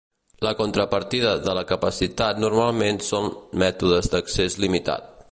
La contrapartida de la capacitat normalment són mètodes d'accés limitat.